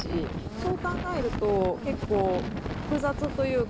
そう考えると結構複雑というか。